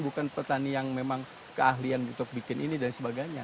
bukan petani yang memang keahlian untuk bikin ini dan sebagainya